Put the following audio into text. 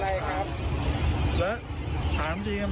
ไม่คิดพร้อมเมื่อวาง